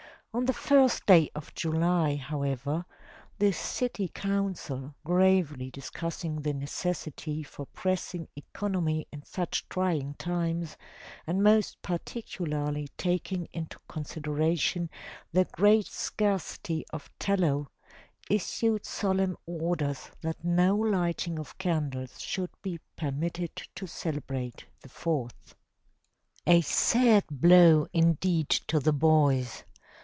On the first day of July, however, the city council, gravely discussing the necessity for pressing economy in such trying times, and most particularly taking into consideration the great scarcity of tallow, issued solemn orders that no lighting of candles should be permitted to celebrate the Fourth. A sad blow indeed to the boys!